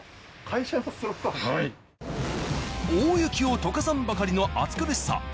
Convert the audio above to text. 大雪を解かさんばかりの暑苦しさ。